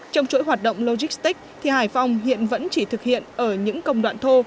trong chuỗi hoạt động logistics thì hải phòng hiện vẫn chỉ thực hiện ở những công đoạn thô